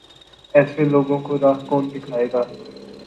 ایسے لوگوں کو راہ کون دکھائے گا؟